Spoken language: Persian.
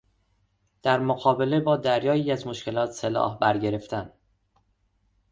در مقابله با دریایی از مشکلات سلاح برگرفتن